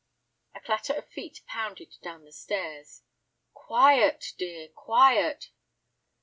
A clatter of feet pounded down the stairs. "Quiet, dear, quiet."